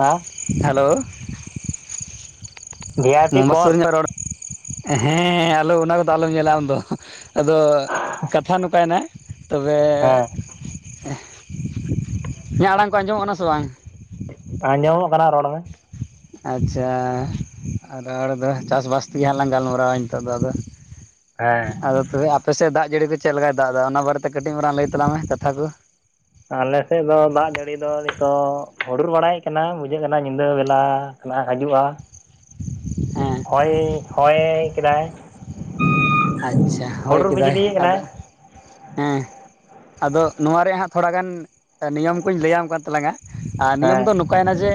ᱦᱮᱸ ᱦᱮᱞᱳ ᱵᱷᱤ ᱟᱭ ᱯᱤ ᱢᱟ ᱠᱚᱞ ᱥᱩᱨ ᱧᱚᱜ ᱨᱚᱲ ᱦᱮᱸ ᱟᱞᱚ ᱚᱱᱟ ᱠᱚ ᱫᱚ ᱟᱞᱚᱢ ᱧᱮᱞᱟ ᱟᱢ ᱫᱚ। ᱟᱫᱚ ᱠᱟᱛᱷᱟ ᱱᱚᱝ ᱠᱟᱭ ᱱᱟ ᱛᱚ ᱵᱮ ᱦᱮᱸ ᱤᱧᱟᱹᱜ ᱟᱲᱟᱝ ᱠᱚ ᱟᱸᱡᱚ ᱢᱚᱜ ᱠᱟᱱᱟ ᱥᱮ ᱵᱟᱝ? ᱟᱸᱡᱚ ᱢᱚᱜ ᱠᱟᱱᱟ ᱨᱚᱲ ᱢᱮ ᱾ ᱟᱪᱪᱷᱟ ᱨᱚᱲ ᱫᱚ ᱪᱟᱥ ᱵᱟᱥ ᱛᱮ ᱜᱮ ᱦᱟᱸᱜ ᱞᱟᱝ ᱜᱟᱞ ᱢᱟᱨᱟᱣᱟ ᱱᱤᱛᱚᱜ ᱫᱚ ᱟᱫᱚ ᱾ ᱦᱮᱸ ᱟᱫᱚ ᱛᱚ ᱵᱮ ᱟᱯᱮ ᱥᱮᱫ ᱫᱟᱜ ᱡᱟᱹᱲᱤ ᱠᱚ ᱪᱮᱫ ᱞᱮᱠᱟᱭ ᱫᱟᱜ ᱮᱫᱟ ᱚᱱᱟ ᱵᱟᱨᱮ ᱛᱮ ᱠᱟᱹᱴᱤᱡ ᱢᱟᱨᱟᱝ ᱞᱟᱹᱭ ᱛᱟᱞᱟᱝ ᱢᱮ ᱠᱟᱛᱷᱟ ᱠᱚ ᱾ ᱟᱞᱮ ᱥᱮᱫ ᱫᱚ ᱫᱟᱜ ᱡᱟᱹᱲᱤ ᱫᱚ ᱱᱤᱛᱚᱜ ᱦᱩᱰᱩᱨ ᱵᱟᱲᱟᱭ ᱠᱟᱱᱟ ᱾ ᱵᱩ ᱡᱷᱟᱹᱜ ᱠᱟᱱᱟ ᱧᱤᱫᱟᱹ ᱵᱮᱞᱟ ᱚᱱᱟ ᱦᱤᱡᱩᱜᱼᱟ ᱾ ᱦᱮᱸ ᱦᱚᱭ ᱦᱚᱭ ᱠᱮᱫᱟᱭ ᱾ ᱟᱪᱪᱷᱟ ᱦᱳᱭ ᱠᱮᱫᱟᱭ ᱟᱫᱚ ᱾ ᱦᱮᱸ ᱟᱫᱚ ᱱᱚᱣᱟ ᱨᱮᱭᱟᱜ ᱦᱟᱸᱜ ᱛᱷᱚᱲᱟ ᱜᱟᱱ ᱱᱤᱭᱚᱢ ᱠᱚᱧ ᱞᱟᱹᱭ ᱟᱢ ᱠᱟᱱ ᱛᱟᱞᱟᱝᱼᱟ ᱾ ᱟᱨ ᱱᱤᱭᱚᱢ ᱦᱮᱸ ᱫᱚ ᱚᱱ ᱠᱟ ᱱᱟ ᱡᱮ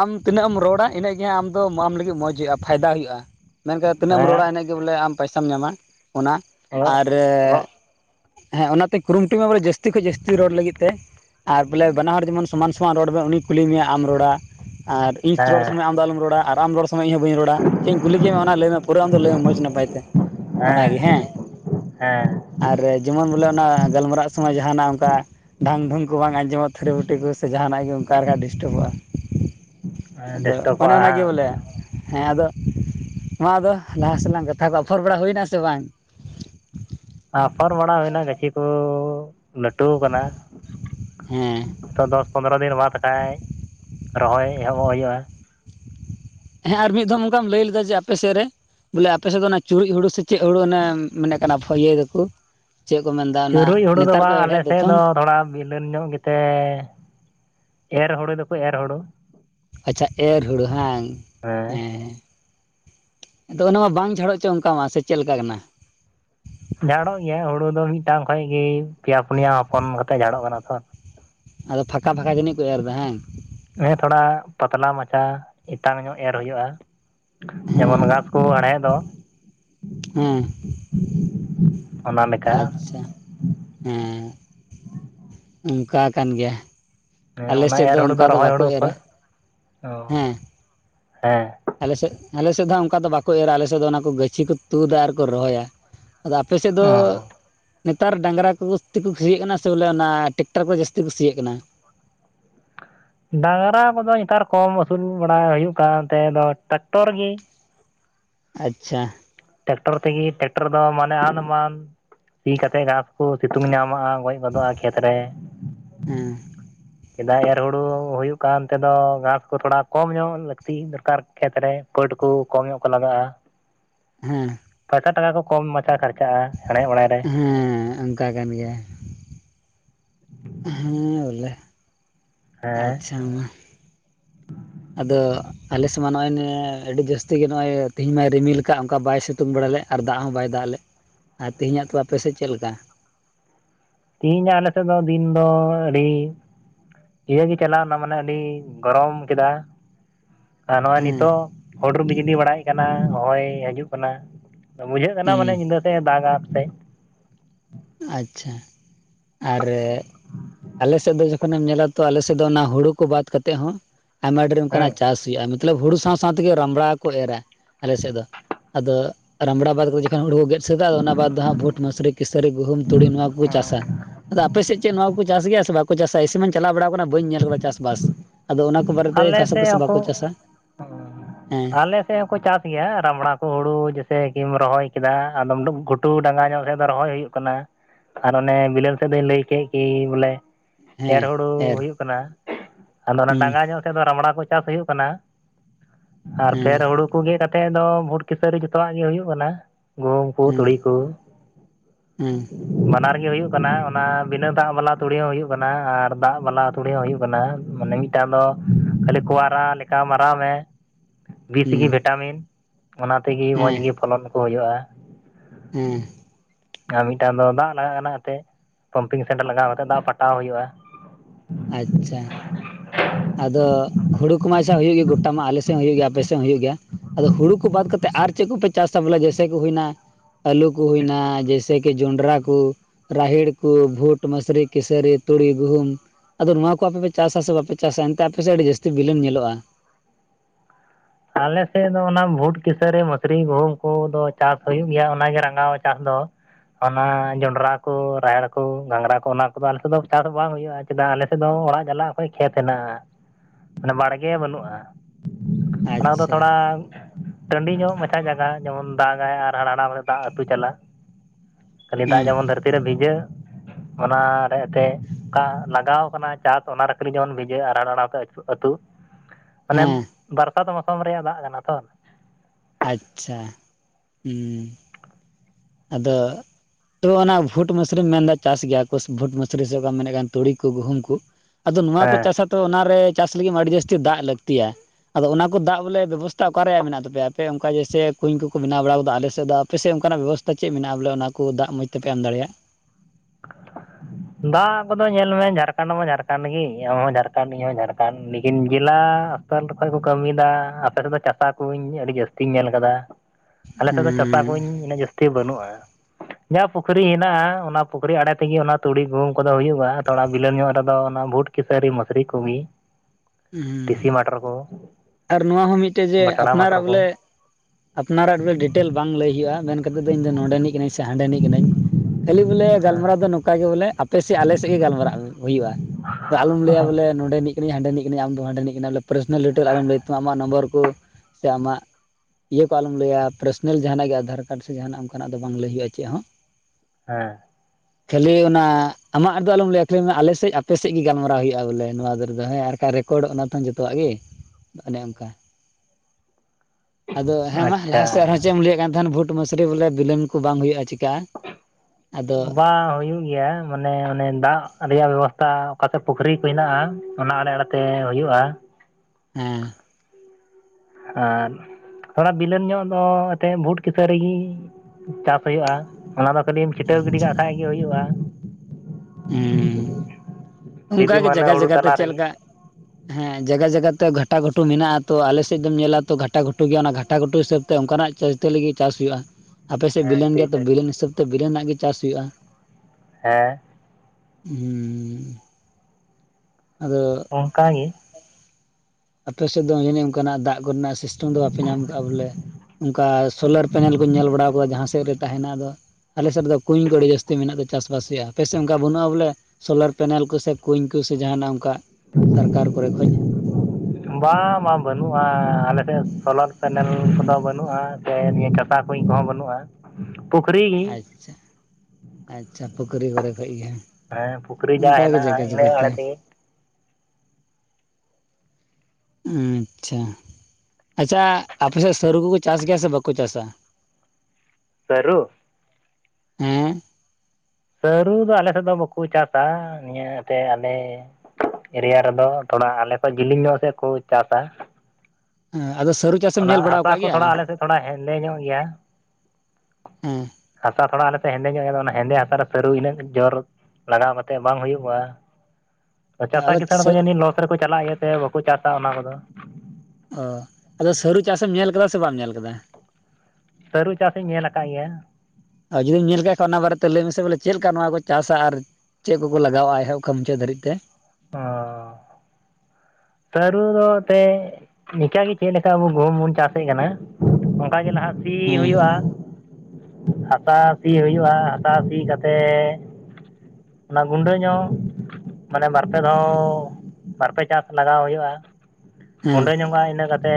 ᱟᱢ ᱛᱤᱱᱟᱹᱜ ᱮᱢ ᱨᱚᱲ-ᱟ ᱤᱱᱟᱹᱜ ᱜᱮ ᱦᱟᱸᱜ ᱟᱢ ᱫᱚ ᱮᱢᱟᱢ ᱞᱟᱹᱜᱤᱫ ᱢᱚᱡᱽ ᱦᱩᱭᱩᱜᱼᱟ ᱯᱷᱟᱭ ᱫᱟ ᱦᱩᱭᱩᱜᱼᱟ ᱾ ᱢᱮᱱ ᱠᱷᱟᱱ ᱛᱤᱱᱟᱹᱜ ᱮᱢ ᱦᱮᱸ ᱨᱚᱲ-ᱟ ᱤᱱᱟᱹ ᱜᱮ ᱵᱚ ᱞᱮ ᱟᱢ ᱯᱚᱭᱥᱟᱢ ᱧᱟᱢᱟ ᱾ ᱚᱱᱟ ᱦᱮᱸ ᱟᱨ ᱨᱚᱜ ᱦᱮᱸ ᱚᱱᱟ ᱛᱮ ᱠᱩᱨᱩ ᱢᱩᱴᱩ ᱢᱮ ᱵᱚ ᱞᱮ ᱡᱟᱹᱥᱛᱤ ᱠᱷᱚᱱ ᱡᱟᱹᱥᱛᱤ ᱨᱚᱲ ᱞᱟᱹᱜᱤᱫ ᱛᱮ ᱟᱨ ᱵᱚ ᱞᱮ ᱵᱟᱱᱟ ᱦᱚᱲ ᱡᱮ ᱢᱚᱱ ᱥᱚᱢᱟᱱ ᱥᱚᱢᱟᱱ ᱨᱚᱲ ᱵᱮᱱ ᱩᱱᱤ ᱠᱩᱞᱤ ᱢᱮᱭᱟ ᱟᱢ ᱨᱚᱲ-ᱟ ᱟᱨ ᱤᱧ ᱨᱚᱲ ᱦᱮᱸ ᱥᱚᱢᱚᱭ ᱟᱢ ᱫᱚ ᱟᱞᱚᱢ ᱨᱚᱲ-ᱟ ᱾ ᱟᱨ ᱟᱢ ᱨᱚᱲ ᱥᱚᱢᱚᱭ ᱤᱧ ᱦᱚᱸ ᱵᱟᱹᱧ ᱨᱚ ᱲᱟ ᱾ ᱪᱮᱫ ᱤᱧ ᱠᱩᱞᱤ ᱠᱮᱫ ᱢᱮ ᱭᱟ ᱚᱱᱟ ᱞᱟᱹᱭ ᱢᱮ ᱯᱩᱨᱟᱹ ᱟᱢ ᱞᱟᱹᱭ ᱢᱮ ᱢᱚᱡᱽ ᱱᱟᱯᱟᱭ ᱛᱮ ᱾ ᱚᱱᱟ ᱜᱮ ᱦᱮᱸ ᱦᱮᱸ ᱟᱨ ᱡᱮ ᱢᱚᱱ ᱵᱚᱞᱮ ᱚᱱᱟ ᱜᱟᱞ ᱢᱟᱨᱟᱜ ᱥᱚᱢᱚᱭ ᱡᱟᱦᱟ ᱱᱟᱜ ᱚᱱᱠᱟ ᱰᱷᱟᱝ ᱰᱷᱩᱝ ᱠᱚ ᱵᱟᱝ ᱟᱸᱡᱚ ᱢᱚᱜ ᱛᱷᱟᱹᱨᱤ ᱵᱟᱹᱴᱤ ᱠᱚ ᱥᱮ ᱡᱟᱦᱟ ᱱᱟᱜ ᱜᱮ ᱚᱱᱠᱟ ᱞᱮᱠᱷᱟᱡ ᱰᱤᱥ ᱴᱟᱵᱚᱜᱼᱟ ᱾ ᱟᱫᱚ ᱚᱱᱮ ᱰᱤᱥᱴᱟᱵᱚᱜᱼᱟ ᱚᱱᱟ ᱜᱮ ᱵᱟᱝ ᱵᱚᱞᱮ ᱾ ᱦᱮᱸ ᱟᱫᱚ, ᱢᱟ ᱟᱫᱚ ᱞᱟᱦᱟ ᱥᱮᱫ ᱞᱟᱝ ᱠᱟᱛᱷᱟ ᱠᱚ ᱟᱯᱷᱚᱨ ᱵᱟᱲᱟ ᱦᱩᱭᱱᱟ ᱥᱮ ᱵᱟᱝ? ᱟᱯᱷᱚᱨ ᱵᱟᱲᱟ ᱦᱩᱭ ᱱᱟ ᱜᱟᱹᱪᱷᱤ ᱠᱚ ᱞᱟᱹᱴᱩ ᱠᱟᱱᱟ ᱦᱮᱸ ᱾ ᱛᱚ ᱫᱚᱥ ᱯᱚᱱᱫᱨᱚ ᱫᱤᱱ ᱵᱟᱛ ᱠᱟᱜ-ᱟᱭ ᱨᱚᱦᱚᱭ ᱮᱦᱚᱵ ᱚᱜ ᱦᱩᱭᱩᱜᱼᱟ ᱾ ᱦᱮᱸ ᱟᱨ ᱢᱤᱫ ᱫᱷᱚᱢ ᱚᱱ ᱠᱟᱢ ᱞᱟᱹᱭ ᱞᱮᱫᱟ ᱡᱮ ᱟᱯᱮ ᱥᱮᱫ ᱨᱮ ᱵᱚ ᱞᱮ ᱟᱯᱮ ᱥᱮᱫ ᱫᱚ ᱚᱱᱟ ᱪᱩᱲᱩᱡ ᱦᱩᱲᱩ ᱥᱮ ᱪᱮᱫ ᱦᱩᱲᱩ ᱚᱱᱮ ᱢᱮᱱᱮᱜ ᱠᱟᱱᱟ ᱯᱷᱚ ᱤᱛᱟᱹ ᱫᱚ ᱠᱩ ᱾ ᱪᱮᱫ ᱠᱚ ᱢᱮᱱ ᱫᱟ ᱚᱱᱟ ᱱᱮᱛᱟᱨ ᱠᱚ ᱦᱮᱲ ᱦᱮᱫ ᱫᱚ ᱛᱷᱚᱱ ᱾ ᱵᱤᱞᱚᱱ ᱧᱚᱜ ᱜᱮ ᱛᱮ ᱮᱨ ᱦᱩᱲᱩ ᱫᱚᱠᱚᱭ ᱮᱨ ᱦᱩᱲᱩ ᱾ ᱟᱪᱪᱷᱟ! ᱮᱨ ᱦᱩᱲᱩ ᱦᱮᱸ ᱦᱟᱝ ᱦᱮᱸ ᱟᱫᱚ ᱚᱱᱟ ᱢᱟ ᱵᱟᱝ ᱡᱷᱟ ᱲᱚᱜ ᱪᱚ ᱚᱱᱠᱟ ᱢᱟ ᱥᱮ ᱪᱮᱫ ᱞᱮᱠᱟ ᱠᱟᱱᱟ ᱾ ᱡᱷᱟᱲᱚᱜ ᱜᱮᱭᱟ ᱦᱩᱲᱩ ᱫᱚ ᱢᱤᱫ ᱴᱟᱝ ᱠᱷᱚᱱ ᱜᱮᱸ ᱯᱮᱭᱟ ᱯᱩᱱᱭᱟ ᱦᱚᱯᱚᱱ ᱠᱟᱛᱮ ᱡᱷᱟᱲᱚᱜ ᱠᱟᱱᱟ ᱛᱚ ᱾ ᱟᱫᱚ ᱯᱷᱟᱸᱠᱟ ᱯᱷᱟᱸᱠᱟ ᱡᱟᱹᱱᱤᱡ ᱠᱚ ᱮᱨ ᱮᱫᱟ ᱦᱮᱸ ᱵᱟᱝ᱾ ᱦᱮ ᱛᱷᱚᱲᱟ ᱯᱟᱛᱞᱟ ᱢᱟᱪᱷᱟ ᱮᱛᱟᱝ ᱧᱚᱜ ᱮᱨ ᱦᱩᱭᱩᱜᱼᱟ ᱾ ᱦᱮᱸ ᱡᱮᱢᱚᱱ ᱱᱚᱣᱟ ᱠᱚ ᱦᱮᱢ ᱦᱮᱫᱼᱫᱟ ᱾ ᱦᱮᱸ [inaudible] ᱞᱮᱠᱟ ᱟᱪᱪᱷᱟ ᱦᱮᱸ ᱚᱝᱠᱟ ᱠᱟᱱ ᱜᱮᱭᱟ᱾ ᱦᱮᱸ ᱚᱱᱟ ᱟᱞᱮᱥᱮᱫ ᱫᱚ ᱮᱨ ᱦᱩᱲᱩ ᱚᱝᱠᱟ ᱫᱚ ᱨᱚᱦᱚᱭ ᱵᱟᱠᱚ ᱦᱩᱲᱩ ᱮᱨᱟ ᱠᱷᱚᱡ ᱚ ᱦᱮᱸ᱾ ᱦᱮᱸ ᱟᱞᱮᱥᱮᱜ ᱟᱞᱮᱥᱮᱜ ᱫᱚ ᱦᱟᱸᱜ ᱚᱝᱠᱟ ᱫᱚ ᱵᱟᱠᱚ ᱮᱨᱟ, ᱟᱞᱮᱥᱮᱜ ᱫᱚ ᱚᱱᱟ ᱠᱚ ᱜᱟᱹᱪᱷᱤ ᱠᱚ ᱛᱩᱫᱟ ᱟᱨᱠᱚ ᱨᱚᱦᱚᱭᱟ ᱾ ᱟᱫᱚ ᱟᱯᱮ ᱥᱮᱜ ᱫᱚ ᱚ ᱱᱮᱛᱟᱨ ᱰᱟᱝᱨᱟ ᱠᱚᱛᱤ ᱠᱚ ᱥᱤᱭᱟᱜ ᱠᱟᱱᱟ ᱥᱮ ᱵᱚᱞᱮ ᱚᱱᱟ ᱴᱮᱠᱴᱟᱨ ᱠᱚ ᱡᱟᱹᱥᱛᱤ ᱠᱩ ᱥᱤᱭᱟᱹᱜ ᱠᱟᱱᱟ? ᱰᱟᱝᱨᱟ ᱠᱚᱫᱚ ᱧᱮᱛᱟᱨ ᱠᱚᱢ ᱟᱹᱥᱩᱞ ᱵᱟᱲᱟ ᱦᱩᱭᱩᱜ ᱠᱟᱱᱛᱮ ᱫᱚ ᱴᱮᱠᱴᱚᱨ ᱜᱤ᱾ ᱟᱪᱪᱷᱟ ᱴᱮᱠᱴᱚᱨ ᱛᱮᱜᱤ ᱴᱮᱠᱴᱚᱨ ᱫᱚ ᱢᱟᱱᱮ ᱟᱱ ᱢᱟᱱ ᱥᱤ ᱠᱟᱛᱮ ᱜᱷᱟᱥ ᱠᱚ ᱥᱤᱛᱩᱝ ᱧᱟᱢᱟᱜᱼᱟ, ᱜᱚᱡ ᱜᱚᱫᱚᱜᱼᱟ ᱠᱷᱮᱛ ᱨᱮ ᱦᱮᱸ ᱾ ᱥᱮᱫᱟᱭ ᱮᱨ ᱦᱩᱲᱩ ᱦᱩᱭᱩᱜ ᱠᱟᱱ ᱛᱮᱫᱚ ᱜᱷᱟᱸᱥ ᱠᱚ ᱛᱷᱚᱲᱟ ᱠᱚᱢ ᱧᱚᱜ ᱞᱟᱹᱠᱛᱤ ᱫᱚᱨᱠᱟᱨ ᱠᱷᱮᱛ ᱨᱮ ᱯᱟᱹᱴ ᱠᱚ ᱠᱚᱢ ᱧᱚᱜ ᱠᱚ ᱞᱟᱜᱟᱜᱼᱟ᱾ ᱦᱮᱸ ᱯᱷᱟᱠᱟ ᱴᱟᱠᱟ ᱠᱚ ᱠᱚᱢ ᱢᱟᱪᱷᱟ ᱠᱷᱟᱨᱪᱟᱜᱼᱟ ᱦᱮᱲᱮᱜ ᱵᱟᱲᱟᱭ ᱨᱮ ᱾ ᱦᱮᱸ ᱚᱝᱠᱟ ᱠᱟᱱ ᱜᱮᱭᱟ ᱾ ᱦᱮᱸ ᱵᱚᱞᱮ ᱦᱮᱸ ᱟᱪᱪᱷᱟ ᱢᱟ᱾ ᱟᱫᱚ ᱟᱞᱮᱥᱮᱜ ᱢᱟ ᱱᱚᱜᱼᱚᱭ ᱟᱹᱰᱤ ᱡᱟᱹᱥᱛᱤ ᱜᱮ ᱱᱚᱜᱼᱚᱭ ᱛᱮᱦᱮᱸᱧ ᱢᱟᱭ ᱨᱤᱢᱤᱞ ᱠᱟᱜ ᱚᱝᱠᱟ ᱵᱟᱭ ᱥᱤᱛᱩᱝ ᱵᱟᱲᱟ ᱞᱮᱫ᱾ ᱟᱨ ᱫᱟᱜ ᱦᱚᱸ ᱵᱟᱭ ᱫᱟᱜ ᱞᱮᱜ ᱟᱨ ᱛᱮᱦᱮᱸᱧᱟᱜ ᱛᱚ ᱟᱯᱮᱥᱮᱜ ᱪᱮᱫ ᱞᱮᱠᱟ? ᱛᱮᱦᱤᱧᱟᱜ ᱟᱞᱮᱥᱮᱜ ᱫᱚ ᱫᱤᱱ ᱫᱚ ᱟᱹᱰᱤ ᱤᱭᱟᱹᱜᱮ ᱪᱟᱞᱟᱣᱱᱟ ᱢᱟᱱᱮ ᱟᱹᱰᱤ ᱜᱚᱨᱚᱢ ᱠᱮᱫᱟ᱾ ᱟᱨ ᱱᱚᱜᱼᱚᱭ ᱦᱮᱸ ᱱᱤᱛᱚᱜ ᱦᱩᱰᱩᱨ ᱵᱤᱡᱽᱞᱤ ᱵᱟᱲᱟᱭᱮᱜ ᱠᱟᱱᱟ ᱦᱚᱸᱜᱼᱚᱭ ᱦᱤᱡᱩᱜ ᱠᱟᱱᱟ᱾ ᱵᱩᱡᱷᱟᱹᱜ ᱠᱟᱱᱟ ᱦᱩᱸ ᱢᱟᱱᱮ ᱧᱤᱫᱟᱹ ᱥᱮᱜᱼᱮ ᱫᱟᱜᱟ ᱯᱟᱥᱮᱜ᱾ ᱟᱪᱪᱷᱟ ᱟᱨ ᱟᱞᱮᱥᱮᱫ ᱫᱚ ᱡᱚᱠᱷᱚᱱ ᱮᱢ ᱧᱮᱞᱟ ᱛᱚ ᱟᱞᱮ ᱥᱮᱜ ᱫᱚ ᱚᱱᱟ ᱦᱩᱲᱩ ᱠᱚ ᱵᱟᱫ ᱠᱟᱛᱮᱜ ᱦᱚᱸ ᱟᱭᱢᱟ ᱰᱷᱮᱨ ᱦᱮᱸ ᱚᱝᱠᱟᱱᱟᱜ ᱪᱟᱥ ᱦᱩᱭᱩᱜᱼᱟ ᱢᱟᱛᱞᱚᱵ ᱦᱩᱲᱩ ᱥᱟᱶ ᱥᱟᱶ ᱛᱮᱜᱮ ᱨᱟᱢᱲᱟ ᱠᱚ ᱮᱨᱟ ᱟᱞᱮ ᱥᱮᱜ ᱫᱚ᱾ ᱟᱫᱚ ᱨᱟᱢᱲᱟ ᱵᱟᱫ ᱠᱚ ᱡᱚᱠᱷᱚᱱ ᱦᱩᱲᱩ ᱜᱮᱫ ᱥᱟᱹᱫᱟ ᱟᱫᱚ ᱚᱱᱟ ᱵᱟᱫ ᱫᱚ ᱦᱟᱸᱜ ᱵᱷᱩᱴ, ᱢᱟᱹᱥᱨᱤ, ᱠᱮᱥᱟᱹᱨᱤ, ᱜᱩᱦᱩᱢ, ᱛᱩᱲᱤ, ᱱᱚᱣᱟ ᱠᱚᱠᱚ ᱪᱟᱥᱟ᱾ ᱟᱫᱚ ᱟᱯᱮ ᱥᱮᱜ ᱪᱮᱜ ᱱᱚᱣᱟ ᱠᱚᱠᱚ ᱪᱟᱥ ᱜᱮᱭᱟ ᱥᱮ ᱵᱟᱠᱚ ᱪᱟᱥᱟ? ᱮᱥᱮᱢᱟᱸᱧ ᱪᱟᱞᱟᱣ ᱵᱟᱲᱟᱣ ᱠᱟᱱᱟ ᱵᱟᱹᱧ ᱧᱮᱞ ᱠᱟᱫᱟ ᱪᱟᱥᱵᱟᱥ᱾ ᱟᱫᱚ ᱚᱱᱟ ᱠᱚ ᱵᱟᱨᱮᱛᱮ ᱟᱞᱮ ᱪᱟᱥᱟ ᱠᱩ ᱥᱮᱫ ᱥᱮ ᱵᱟᱠᱚ ᱦᱚᱸᱠᱚ ᱪᱟᱥᱟ ᱦᱮᱸ? ᱛᱮ ᱦᱚᱸᱠᱚ ᱪᱟᱥ ᱜᱮᱭᱟ ᱨᱟᱢᱲᱟ ᱠᱚ ᱦᱩᱲᱩ ᱡᱮᱥᱮ ᱠᱤᱢ ᱨᱚᱦᱚᱭ ᱠᱮᱫᱟ ᱟᱫᱚᱢ ᱜᱷᱩᱴᱩ ᱰᱟᱸᱜᱟ ᱧᱚᱜ ᱥᱮᱫ ᱫᱚ ᱨᱚᱦᱚᱭ ᱦᱩᱭᱩᱜ ᱠᱟᱱᱟ ᱟᱨ ᱚᱱᱮ ᱵᱤᱞᱟᱹᱱ ᱥᱮᱫ ᱫᱚᱧ ᱞᱟᱹᱭ ᱠᱮᱜ‌ᱠᱤ ᱵᱚᱞᱮ ᱮᱨ ᱦᱮᱸ ᱦᱩᱲᱩ ᱮᱨ ᱦᱩᱭᱩᱜ ᱠᱟᱱᱟ, ᱟᱫᱚ ᱚᱱᱟ ᱦᱩᱸ ᱰᱟᱸᱜᱟ ᱧᱚᱜ ᱥᱮᱜ ᱫᱚ ᱨᱟᱢᱲᱟ ᱠᱚ ᱪᱟᱥ ᱦᱩᱭᱩᱜ ᱠᱟᱱᱟ᱾ ᱟᱨ ᱦᱮᱸ ᱯᱷᱮᱨ ᱦᱩᱲᱩ ᱠᱚ ᱜᱮᱜ ᱠᱟᱛᱮᱜ ᱫᱚ ᱵᱷᱩᱴ, ᱠᱤᱥᱟᱹᱨᱤ ᱡᱚᱛᱚᱣᱟᱜ ᱜᱮ ᱦᱩᱭᱩᱜ ᱠᱟᱱᱟ᱾ ᱜᱩᱦᱩᱢ ᱠᱩ, ᱦᱮᱸ ᱛᱩᱲᱤ ᱠᱩ᱾ ᱦᱮᱸ ᱵᱟᱱᱟᱨ ᱜᱮ ᱦᱩᱭᱩᱜ ᱠᱟᱱᱟ, ᱚᱱᱟ ᱵᱤᱱᱟᱹ ᱫᱟᱜ ᱵᱟᱞᱟ ᱛᱩᱲᱤ ᱦᱚᱸ ᱦᱩᱭᱩᱜ ᱠᱟᱱᱟ ᱟᱨ ᱫᱟᱜ ᱵᱟᱞᱟ ᱛᱩᱲᱤ ᱦᱚᱸ ᱦᱩᱭᱩᱜ ᱠᱟᱱᱟ ᱢᱟᱱᱮ ᱢᱤᱫᱴᱟᱝ ᱫᱚ ᱠᱷᱟᱹᱞᱤ ᱠᱚᱣᱟᱨᱟ ᱞᱮᱠᱟ ᱢᱟᱨᱟᱣ ᱢᱮ ᱵᱤᱥ ᱜᱮ ᱦᱩᱸ ᱵᱷᱤᱴᱟᱢᱤᱱ ᱚᱱᱟ ᱛᱮᱜᱮ ᱢᱚᱡᱽ ᱜᱮ ᱯᱷᱚᱞᱚᱱ ᱠᱚ ᱦᱩᱭᱩᱜᱼᱟ᱾ ᱦᱩᱸ ᱟᱨ ᱢᱤᱫᱴᱟᱝ ᱫᱚ ᱫᱟᱜ ᱞᱟᱜᱟᱜ ᱠᱟᱱᱟ ᱮᱛᱮᱜ ᱯᱟᱢᱯᱤᱝ ᱥᱮᱱᱴᱟᱨ ᱞᱟᱜᱟᱣ ᱠᱟᱛᱮᱜ ᱫᱟᱜ ᱯᱟᱴᱟᱣ ᱦᱩᱭᱩᱜᱼᱟ᱾ ᱟᱪᱪᱷᱟ ᱟᱫᱚ ᱦᱩᱲᱩ ᱠᱚᱢᱟ ᱟᱪᱷᱟ ᱦᱩᱭᱩᱜ ᱜᱮ ᱜᱚᱴᱟ ᱢᱟ ᱟᱞᱮ ᱥᱮᱜ ᱦᱚᱸᱦᱩᱭᱩᱜ ᱜᱮᱭᱟ ᱟᱯᱮ ᱥᱮᱫ ᱦᱚᱸ ᱦᱩᱭᱩᱜ ᱜᱮᱭᱟ᱾ ᱟᱫᱚ ᱦᱩᱲᱩ ᱠᱚ ᱵᱟᱫ ᱠᱟᱛᱮᱜ ᱟᱨ ᱪᱮᱜ ᱠᱚᱯᱮ ᱪᱟᱥᱟ ᱵᱚᱞᱮ ᱡᱮᱭᱥᱮ ᱠᱚ ᱦᱩᱭᱱᱟ ᱟᱹᱞᱩ ᱠᱚ ᱦᱩᱭᱱᱟ ᱡᱮᱥᱮ ᱠᱤ ᱡᱚᱱᱰᱨᱟ ᱠᱚ᱾ ᱨᱟᱦᱤᱲ ᱠᱩ ᱵᱷᱩᱴ, ᱢᱟᱥᱨᱤ, ᱠᱮᱥᱟᱹᱨᱤ, ᱛᱩᱲᱤ, ᱜᱩᱦᱩᱢ, ᱟᱫᱚ ᱱᱚᱣᱟ ᱠᱚ ᱟᱯᱮᱯᱮ ᱪᱟᱥᱟ ᱥᱮ ᱵᱟᱯᱮ ᱪᱟᱥᱟ? ᱮᱱᱛᱮᱜ ᱟᱯᱮ ᱥᱮᱜ ᱟᱹᱰᱤ ᱡᱟᱥᱛᱤ ᱵᱤᱞᱟᱹᱱ ᱧᱮᱞᱚᱜᱼᱟ᱾ ᱟᱞᱮ ᱥᱮᱜ ᱫᱚ ᱚᱱᱟ ᱵᱷᱩᱴ, ᱠᱤᱥᱟᱹᱨᱤ, ᱢᱟᱹᱥᱨᱤ, ᱜᱩᱦᱩᱢ ᱠᱚᱫᱚ ᱪᱟᱥ ᱦᱩᱭᱩᱜ ᱜᱮᱭᱟ ᱚᱱᱟᱜᱮ ᱨᱟᱸᱜᱟᱣ ᱪᱟᱥ ᱫᱚ᱾ ᱚᱱᱟ ᱡᱚᱸᱱᱰᱨᱟ ᱠᱚ ᱨᱟᱦᱮᱲ ᱠᱚ ᱜᱷᱟᱸᱜᱽᱨᱟ ᱠᱚ ᱚᱱᱟ ᱠᱚᱫᱚ ᱟᱞᱮᱥᱮᱜ ᱫᱚ ᱪᱟᱥ ᱫᱚ ᱵᱟᱝ ᱦᱩᱭᱩᱜᱼᱟ᱾ ᱪᱮᱫᱟᱜ ᱟᱞᱮ ᱥᱮᱫ ᱫᱚ ᱚᱲᱟᱜ ᱡᱟᱞᱟᱜ ᱠᱷᱟᱡ ᱠᱷᱮᱛ ᱦᱮᱱᱟᱜᱼᱟ ᱢᱟᱱᱮ ᱵᱟᱲᱜᱮ ᱵᱟᱹᱱᱩᱜᱼᱟ᱾ ᱚᱱᱟ ᱫᱚ ᱟᱪᱪᱷᱟ ᱛᱷᱚᱲᱟ ᱴᱟᱺᱰᱤ ᱧᱚᱜ ᱢᱟᱪᱷᱟ ᱡᱟᱜᱟ ᱡᱮᱢᱚᱱ ᱫᱟᱜᱟᱭ ᱟᱨ ᱦᱟᱲᱦᱟᱲᱟᱣ ᱠᱟᱛᱮ ᱫᱟᱜ ᱟᱹᱛᱩ ᱪᱟᱞᱟᱜᱼᱟ᱾ ᱠᱷᱟᱹᱞᱤ ᱫᱟᱜ ᱦᱮᱸ ᱡᱮᱢᱚᱱ ᱫᱷᱟᱹᱨᱛᱤ ᱨᱮ ᱵᱷᱤᱡᱟᱹᱜ᱾ [inaudible] ᱚᱱᱟ ᱨᱮ ᱮᱛᱮᱜ ᱚᱠᱟ ᱞᱟᱜᱟᱣ ᱠᱟᱱᱟ ᱪᱟᱥ ᱚᱱᱟ ᱨᱮ ᱠᱷᱟᱞᱤ ᱡᱮᱢᱚᱱ ᱵᱷᱤᱡᱟᱹᱜ ᱟᱨ ᱦᱟᱲᱦᱟᱲᱟᱣ ᱛᱮ ᱟᱹᱛᱩ [inaudible] ᱢᱟᱱᱮ ᱵᱟᱨᱥᱟᱛ ᱢᱳᱥᱳᱢ ᱨᱮᱭᱟᱜ ᱫᱟᱜ ᱠᱟᱱᱟ ᱛᱚ᱾ ᱟᱪᱪᱷᱟ ᱦᱩᱸ ᱟᱫᱚ ᱛᱚ ᱚᱱᱟ ᱵᱷᱩᱴ, ᱢᱤᱥᱨᱤ ᱢᱮᱱᱫᱟ ᱪᱟᱥ ᱜᱮᱭᱟ ᱠᱚ ᱵᱷᱩᱴ, ᱢᱤᱥᱨᱤ ᱥᱮ ᱚᱠᱟᱢ ᱢᱮᱱᱮᱜ ᱠᱟᱱ ᱛᱩᱲᱤ ᱠᱚ, ᱜᱩᱦᱩᱢ ᱠᱚ ᱟᱫᱚ ᱱᱚᱣᱟ ᱠᱚ ᱦᱮᱸ ᱪᱟᱥᱟᱛᱚ ᱚᱱᱟᱨᱮ ᱪᱟᱥ ᱞᱟᱹᱜᱤᱜ ᱢᱟ ᱟᱹᱰᱤ ᱡᱟᱹᱥᱛᱤ ᱫᱟᱜ ᱞᱟᱹᱠᱛᱤᱭᱟ᱾ ᱟᱫᱚ ᱚᱱᱟ ᱠᱚ ᱫᱟᱜ ᱵᱚᱞᱮ ᱵᱮᱵᱚᱥᱛᱷᱟ ᱚᱠᱟ ᱨᱮᱭᱟᱜ ᱢᱮᱱᱟᱜ ᱛᱟᱯᱮᱭᱟ? ᱟᱯᱮ ᱚᱝᱠᱟ ᱡᱮᱭᱥᱮ ᱠᱩᱧ ᱠᱚᱠᱚ ᱵᱮᱱᱟᱣ ᱵᱟᱲᱟᱣ ᱠᱟᱫᱟ ᱟᱞᱮ ᱥᱮᱜ ᱫᱚ ᱟᱯᱮᱥᱮᱜ ᱚᱝᱠᱟᱱᱟᱜ ᱵᱮᱵᱚᱥᱛᱟ ᱪᱮᱜ ᱢᱮᱱᱟᱜᱼᱟ ᱵᱚᱞᱮ ᱚᱱᱟ ᱠᱚ ᱫᱟᱜ ᱢᱚᱡᱽ ᱛᱮᱯᱮ ᱮᱢ ᱫᱟᱲᱮᱭᱟᱜ? [inaudible] ᱫᱟᱜ ᱠᱚᱫᱚ ᱧᱮᱞ ᱢᱮ ᱡᱷᱟᱨᱠᱟᱸᱰ ᱢᱟ ᱡᱷᱟᱨᱠᱟᱸᱰ ᱜᱤ ᱟᱢᱦᱚᱸ ᱡᱷᱟᱨᱠᱟᱸᱰ ᱤᱧᱦᱚᱸ ᱡᱷᱟᱨᱠᱟᱸᱰ ᱞᱤᱠᱷᱤᱸᱱ ᱡᱮᱞᱟ ᱥᱟᱞ ᱠᱷᱚᱡ ᱠᱚ ᱠᱟᱹᱢᱤᱭᱫᱟ ᱟᱯᱮ ᱥᱮᱜ ᱫᱚ ᱪᱟᱥᱟ ᱠᱚᱧ ᱟᱹᱰᱤ ᱡᱟᱹᱥᱛᱤᱧ ᱧᱮᱞ ᱠᱟᱫᱟ ᱟᱞᱮᱥᱮᱜ ᱦᱮᱸ ᱫᱚ ᱪᱟᱥ ᱥᱟ ᱠᱩᱧ ᱤᱱᱟᱹᱜ ᱡᱟᱹᱥᱛᱤ ᱵᱟᱹᱱᱩᱜᱼᱟ, ᱡᱟ ᱯᱩᱠᱷᱨᱤ ᱦᱮᱱᱟᱜᱼᱟ ᱚᱱᱟ ᱯᱩᱠᱷᱨᱤ ᱟᱲᱮ ᱛᱮᱜᱮ ᱚᱱᱟ ᱛᱩᱲᱤ, ᱜᱩᱦᱩᱢ ᱠᱚᱫᱚ ᱦᱩᱭᱩᱜᱼᱟ᱾ ᱛᱷᱚᱲᱟ ᱵᱤᱞᱟᱹᱱ ᱧᱚᱜ ᱨᱮᱫᱚ ᱚᱱᱟ ᱵᱷᱩᱴ, ᱠᱤᱥᱟᱹᱨᱤ, ᱢᱟᱥᱨᱤ ᱠᱚᱜᱮ᱾ ᱴᱮᱥᱤ ᱢᱟᱴᱚᱨ ᱠᱚ᱾ ᱟᱨ ᱱᱚᱣᱟ ᱦᱚᱸ ᱢᱤᱫᱴᱮᱡ ᱡᱮ ᱵᱟᱴᱲᱟ ᱢᱟᱴᱚᱨ ᱟᱯᱱᱟᱨᱟᱜ ᱠᱚ ᱵᱚᱞᱮ ᱟᱯᱱᱟᱨᱟᱜ ᱰᱮ ᱴᱮᱞ ᱵᱟᱝ ᱞᱟᱹᱭ ᱦᱩᱭᱩᱜᱼᱟ, ᱢᱮᱱ ᱠᱟᱛᱮᱜ ᱫᱚ ᱤᱧ ᱫᱚ ᱱᱚᱸᱰᱮ ᱱᱤᱡ ᱠᱟᱹᱱᱟᱹᱧ ᱥᱮ ᱦᱟᱸᱰᱮ ᱱᱤᱡ ᱠᱟᱹᱱᱟᱹᱧ᱾ ᱠᱷᱟᱹᱞᱤ ᱵᱚᱞᱮ ᱦᱮᱸ ᱜᱟᱞᱢᱟᱨᱟᱣ ᱫᱚ ᱱᱚᱠᱟ ᱜᱮ ᱵᱚᱞᱮ ᱟᱯᱮ ᱥᱮᱫ ᱟᱞᱮᱥᱮᱜ ᱜᱮ ᱜᱟᱞᱢᱟᱨᱟᱜ ᱦᱩᱭᱩᱜᱼᱟ᱾ ᱟᱫᱚ ᱟᱞᱚᱢ ᱞᱟᱹᱭᱟ ᱵᱚᱞᱮ ᱱᱚᱸᱰᱮ ᱱᱤᱡ ᱠᱟᱱᱤᱧ ᱦᱟᱸᱰᱮ ᱱᱤᱡ ᱠᱟᱱᱤᱧ ᱟᱢ ᱫᱚ ᱦᱟᱸᱰᱮ ᱱᱤᱡ ᱠᱟᱱᱟᱢ ᱯᱟᱨᱥᱚᱱᱟᱞ ᱞᱮᱴᱟᱨ ᱠᱚ ᱟᱞᱩᱢ ᱞᱟ. ᱭ ᱛᱟᱢᱟ ᱟᱢᱟᱜ ᱱᱚᱢᱵᱚᱨ ᱠᱚ᱾ ᱥᱮ ᱟᱢᱟᱜ ᱤᱭᱟᱹ ᱠᱚ ᱟᱞᱚᱢ ᱞᱟᱹᱭᱟ ᱯᱟᱨᱥᱚᱱᱟᱞ ᱡᱟᱦᱟᱱᱟᱜ ᱜᱮ ᱟᱫᱷᱟᱨ ᱠᱟᱰ ᱥᱮ ᱡᱟᱦᱟᱱᱟᱜ ᱚᱝᱠᱟᱱᱟᱜ ᱫᱚ ᱵᱟᱝ ᱞᱟᱹᱭ ᱦᱩᱭᱩᱜᱼᱟ ᱪᱮᱜ ᱦᱚᱸ᱾ ᱦᱮᱸ ᱦᱮ ᱠᱷᱟᱹᱞᱤ ᱚᱱᱟ ᱟᱢᱟᱜ ᱨᱮᱫᱚ ᱟᱞᱚᱢ ᱞᱟᱹᱭᱟ ᱠᱷᱟᱹᱞᱤ ᱢᱮ ᱟᱞᱮᱥᱮᱜ ᱟᱯᱮᱥᱮᱜ ᱜᱮ ᱜᱟᱞᱢᱟᱨᱟᱣ ᱦᱩᱭᱩᱜᱼᱟ ᱵᱚᱞᱮ ᱱᱚᱣᱟ ᱨᱮᱫᱚ ᱦᱮᱸ ᱟᱨ ᱠᱷᱟᱡ ᱨᱮ ᱠᱚᱲᱚᱜ ᱠᱟᱱᱟ ᱛᱚ ᱡᱚᱛᱚᱣᱟᱜ ᱜᱮ ᱚᱱᱮ ᱚᱝᱠᱟ᱾ ᱟᱫᱚ ᱦᱮᱸ ᱢᱟ ᱞᱟᱦᱟ ᱥᱮᱜ ᱟᱪᱪᱷᱟ ᱟᱨᱦᱚᱸ ᱪᱮᱜ ᱮᱢ ᱞᱟᱹᱭᱮᱜ ᱠᱟᱱ ᱛᱟᱦᱮᱸᱱ ᱵᱷᱩᱴ, ᱢᱟᱥᱨᱤ, ᱵᱚᱞᱮ ᱵᱤᱞᱚᱹᱱ ᱠᱚ ᱵᱟᱝ ᱦᱩᱭᱩᱜᱼᱟ ᱪᱤᱠ ᱵᱟ ᱦᱩᱭᱩᱜ ᱜᱮᱭᱟ ᱢᱟᱱᱮ ᱚᱱᱮ ᱫᱟᱜ ᱨᱮᱭᱟᱜ ᱵᱮᱵᱚᱥᱛᱟ ᱚᱠᱟᱥᱮᱜ ᱯᱩᱠᱷᱨᱤ ᱠᱚ ᱦᱮᱱᱟᱜᱼᱟ ᱚᱱᱟ ᱟᱲᱮ ᱟᱲᱮ ᱛᱮ ᱦᱩᱭᱩᱜᱼᱟ᱾ ᱦᱮᱸ ᱟᱨ ᱛᱷᱚᱲᱟ ᱵᱤᱞᱟᱹᱱ ᱧᱚᱜ ᱫᱚ ᱮᱛᱮᱜ ᱵᱷᱩᱴ, ᱠᱤᱥᱟᱹᱨᱤ ᱜᱤ ᱪᱟᱥ ᱦᱩᱭᱩᱜᱼᱟ᱾ ᱚᱱᱟᱫᱚ ᱠᱷᱟᱹᱞᱤᱢ ᱪᱷᱤᱴᱟᱹᱣ ᱜᱤᱰᱤ ᱠᱟᱜ ᱟᱪᱪᱷᱟ ᱠᱷᱟᱡ ᱜᱮ ᱦᱩᱭᱩᱜᱼᱟ᱾ ᱦᱩᱸ ᱚᱝᱠᱟᱜᱮ ᱫᱤᱫᱤᱢᱟᱹᱱᱟᱹ ᱡᱟᱜᱟ ᱦᱩᱲᱩ ᱡᱟᱜᱟ ᱛᱮ ᱛᱟᱞᱟ ᱪᱮᱜ ᱨᱮᱜᱮ ᱞᱮᱠᱟ ᱦᱮᱸ ᱡᱟᱜᱟ ᱡᱟᱜᱟᱛᱮ ᱜᱷᱟᱴᱟ ᱜᱷᱩᱴᱩ ᱢᱮᱱᱟᱜᱼᱟ ᱛᱚ ᱟᱞᱮᱥᱮᱜ ᱫᱚᱢ ᱧᱮᱞᱟ ᱛᱚ ᱜᱷᱟᱴᱟ ᱜᱷᱩᱴᱩ ᱜᱮ ᱚᱱᱟ ᱜᱷᱟᱴᱟ ᱜᱷᱩᱴᱩ ᱦᱤᱥᱟᱹᱵᱽ ᱛᱮ ᱚᱝᱠᱟᱱᱟᱜ ᱪᱟᱹᱭᱛᱟᱞᱤ ᱜᱤ ᱪᱟᱥ ᱦᱩᱭᱩᱜᱼᱟ᱾ ᱟᱯᱮ ᱥᱮᱜ ᱦᱮᱸ ᱵᱤᱞᱟᱹᱱ ᱜᱮᱭᱟ ᱛᱚ ᱪᱳᱭᱛᱟᱞᱤ ᱵᱤᱞᱟᱹᱱ ᱦᱤᱥᱟᱹᱵ ᱛᱮ ᱵᱤᱞᱟᱹᱱᱟᱜ ᱜᱮ ᱪᱟᱥ ᱦᱩᱭᱩᱜᱼᱟ᱾ ᱦᱮᱸ ᱦᱩᱸ ᱟᱫᱚ ᱚᱝᱠᱟ ᱜᱮ ᱟᱯᱮ ᱥᱮᱜ ᱫᱚ ᱚᱝᱠᱟᱱᱟᱜ ᱫᱟᱜ ᱠᱚᱨᱮᱱᱟᱜ ᱥᱤᱥᱴᱮᱢ ᱫᱚ ᱵᱟᱯᱮ ᱧᱟᱢ ᱠᱟᱜᱼᱟ ᱵᱚᱞᱮ ᱚᱝᱠᱟ ᱥᱳᱞᱟᱨ ᱯᱮᱱᱮᱞ ᱠᱚᱧ ᱧᱮᱞ ᱵᱟᱲᱟᱣ ᱠᱟᱫᱟ ᱡᱟᱦᱟᱸ ᱥᱮᱜ ᱨᱮ ᱛᱟᱦᱮᱱᱟ ᱟᱫᱚ ᱟᱞᱮᱥᱮᱜ ᱨᱮᱫᱚ ᱠᱩᱧ ᱠᱚ ᱟᱹᱰᱤ ᱡᱟᱹᱥᱛᱤ ᱢᱮᱱᱟᱜ ᱛᱮ ᱪᱟᱥᱵᱟᱥ ᱦᱩᱭᱩᱜᱼᱟ, ᱟᱯᱮ ᱥᱮᱜ ᱚᱝᱠᱟ ᱵᱟᱹᱱᱩᱜᱼᱟ ᱵᱚᱞᱮ? ᱥᱳᱞᱟᱨ ᱯᱮᱱᱮᱞ ᱠᱚ ᱥᱮ ᱠᱩᱧ ᱠᱚ ᱥᱮ ᱡᱟᱦᱟᱱᱟᱜ ᱚᱝᱠᱟ ᱥᱟᱨᱠᱟᱨ ᱠᱚᱨᱮ ᱠᱷᱚᱡ? ᱵᱟᱝ ᱵᱟᱝ ᱵᱟᱹᱱᱩᱜᱼᱟ ᱟᱞᱮᱥᱮᱜ ᱥᱳᱞᱟᱨ ᱯᱮᱱᱮᱞ ᱠᱚᱫᱚ ᱵᱟᱹᱱᱩᱜᱼᱟ᱾ ᱥᱮ ᱱᱤᱭᱟᱹ ᱠᱟᱥᱟ ᱠᱚᱧ ᱠᱚᱦᱚᱸ ᱵᱟᱹᱱᱩᱜᱼᱟ ᱯᱩᱠᱷᱨᱤ ᱜᱤ ᱟᱪᱪᱷᱟ ᱟᱪᱪᱷᱟ ᱯᱩᱠᱷᱨᱤ ᱠᱚᱨᱮ ᱠᱷᱚᱡ ᱜᱮ᱾ ᱦᱮᱸ ᱯᱩᱠᱷᱨᱤ ᱡᱟ ᱚᱱᱠᱟᱜᱮ ᱦᱮᱱᱟᱜᱼᱟ ᱡᱟᱭᱜᱟ ᱤᱱᱟᱹ ᱡᱟᱭᱜᱟ ᱛᱮ ᱟᱲᱮ ᱛᱮᱜᱮ ᱩ ᱟᱪᱪᱷᱟ ᱟᱪᱪᱷᱟ ᱟᱯᱮᱥᱮᱜ ᱥᱟᱹᱨᱩ ᱠᱚᱠᱚ ᱪᱟᱥ ᱜᱮᱭᱟ ᱥᱮ ᱵᱟᱠᱚ ᱪᱟᱥᱟ? [inaudible] ᱥᱟᱹᱨᱩ? ᱦᱮᱸ ᱥᱟᱹᱨᱩ ᱫᱚ ᱟᱞᱮᱥᱮᱜ ᱫᱚ ᱵᱟᱹᱠᱚ ᱪᱟᱥᱟ ᱱᱤᱭᱟᱹ ᱮᱛᱮᱜ ᱟᱞᱮ ᱮᱨᱤᱭᱟ ᱨᱮᱫᱚ ᱛᱷᱚᱲᱟ ᱟᱞᱮ ᱠᱷᱚᱡ ᱡᱮᱞᱤᱧ ᱧᱚᱜ ᱥᱮ ᱠᱚ ᱪᱟᱥᱟ᱾ ᱟᱫᱚ ᱥᱟᱹᱨᱩ ᱪᱟᱥᱮᱢ ᱚᱱᱟ ᱧᱮᱞ ᱵᱟᱲᱟ ᱦᱟᱥᱟ ᱟᱠᱟᱫ ᱠᱚ ᱛᱷᱚᱲᱟ ᱜᱮᱭᱟ ᱟᱞᱮ ᱥᱮᱜ ᱛᱷᱚᱲᱟ ᱦᱮᱸᱫᱮ ᱧᱚᱜ ᱜᱮᱭᱟ᱾ ᱦᱩᱸ ᱦᱟᱥᱟ ᱛᱚᱲᱟ ᱟᱞᱮ ᱥᱮᱜ ᱦᱮᱸᱫᱮ ᱧᱚᱜ ᱜᱮᱭᱟ ᱟᱫᱚ ᱚᱱᱟ ᱦᱮᱸᱫᱮ ᱦᱟᱥᱟ ᱨᱮ ᱥᱟᱹᱨᱩ ᱤᱱᱟᱹᱜ ᱡᱚᱨ ᱞᱟᱜᱟᱣ ᱠᱟᱛᱮᱜ ᱵᱟᱝ ᱦᱩᱭᱩᱜᱼᱟ, ᱪᱟᱥᱟ ᱟᱫᱚ ᱠᱤᱥᱟᱬ ᱠᱚ ᱡᱟᱱᱤᱡ ᱨᱮᱠᱚ ᱪᱟᱞᱟᱜ ᱤᱭᱟᱹᱛᱮ ᱵᱟᱠᱚ ᱪᱟᱥᱟ ᱚᱱᱟ ᱠᱚᱫᱚ᱾ ᱚ ᱟᱫᱚ ᱥᱟᱹᱨᱩ ᱪᱟᱥᱮᱢ ᱧᱮᱞ ᱠᱟᱫᱟ ᱥᱮ ᱵᱟᱢ ᱧᱮᱞ ᱠᱟᱫᱟ? ᱛᱟᱹᱨᱩ ᱪᱟᱥ ᱤᱧ ᱧᱮᱞ ᱠᱟᱜ ᱜᱮᱭᱟ᱾ ᱟᱨ ᱡᱩᱫᱤᱢ ᱧᱮᱞ ᱠᱟᱜ ᱠᱷᱟᱱ ᱚᱱᱟ ᱵᱟᱨᱮᱛᱮ ᱞᱟᱹᱭ ᱢᱮᱥᱮ ᱵᱚᱞᱮ ᱪᱮᱜ ᱞᱮᱠᱟ ᱱᱚᱣᱟ ᱠᱚ ᱪᱟᱥᱟ? ᱟᱨ ᱪᱮᱜ ᱠᱚᱠᱚ ᱞᱟᱜᱟᱣᱟᱜᱼᱟ ᱮᱦᱚᱵ ᱠᱷᱚᱡ ᱢᱩᱪᱟᱹᱜ ᱫᱷᱟᱹᱨᱤᱡ ᱛᱮ? ᱚ ᱥᱟᱹᱨᱩ ᱫᱚ ᱮᱛᱮᱜ ᱱᱤᱠᱟᱜᱮ ᱪᱮᱜ ᱞᱮᱠᱟ ᱟᱵᱚ ᱜᱩᱦᱩᱢ ᱵᱚᱱ ᱪᱟᱥᱮᱜ ᱠᱟᱱᱟ ᱚᱝᱠᱟᱜᱮ ᱞᱟᱦᱟ ᱥᱮᱜ ᱥᱤ ᱦᱮᱸ ᱦᱩᱭᱩᱜᱼᱟ, ᱦᱟᱥᱟ ᱥᱤ ᱦᱩᱭᱩᱜᱼᱟ ᱦᱟᱥᱟ ᱥᱤ ᱠᱟᱛᱮ ᱚᱱᱟ ᱜᱩᱸᱰᱟᱹ ᱧᱚᱜ ᱢᱟᱱᱮ ᱵᱟᱨᱯᱮ ᱫᱷᱟᱣ ᱵᱟᱨᱯᱮ ᱪᱟᱥ ᱞᱟᱜᱟᱣ ᱦᱩᱭᱩᱜᱼᱟ ᱦᱮᱸ ᱜᱩᱸᱰᱟᱹ ᱧᱚᱜᱼᱟ ᱤᱱᱟᱹ ᱠᱟᱛ ᱛᱮ